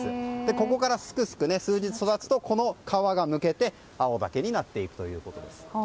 ここからすくすく数日育つと皮がむけて青竹になっていくということです。